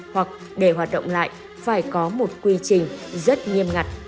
hoặc để hoạt động lại phải có một quy trình rất nghiêm ngặt